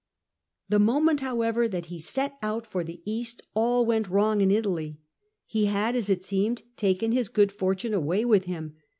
The moment, however, that he set out for the East all went wrong in Italy. He had, as it seemed, taken his good fortune away with him.